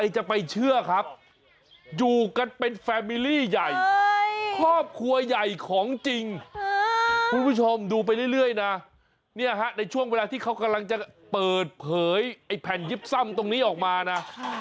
เนี่ยฮะในช่วงเวลาที่เขากำลังจะเปิดเผยไอ้แผ่นยิบซ่ำตรงนี้ออกมานะ